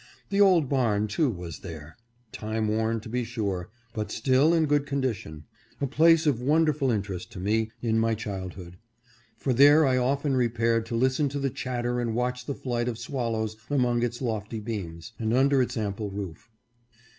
The old barn, too, was there — time worn, to be sure, but still in good con dition— a place of wonderful interest to me in my child hood, for there I often repaired to listen to the chatter and watch the flight of swallows among its lofty beams, and under its ample roof.